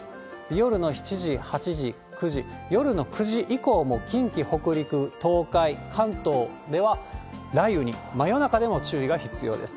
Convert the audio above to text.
夜の７時、８時、９時、夜の９時以降も近畿、北陸、東海、関東では雷雨に、真夜中でも注意が必要です。